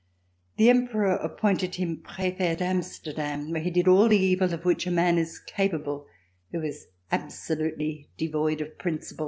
The Emperor appointed him Prefet at Amsterdam where he did all the evil of which a man is capable who is absolutely devoid of principle.